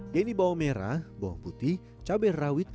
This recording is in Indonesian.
yaitu bawang merah bawang putih cabai rawit